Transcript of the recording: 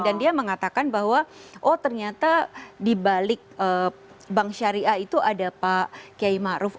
dan dia mengatakan bahwa oh ternyata dibalik bank syariah itu ada pak kiai ma'ruf